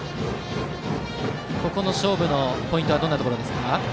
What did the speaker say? ここの勝負のポイントはどんなところですか。